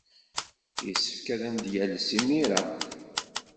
Yessefk ad am-d-yales imir-a.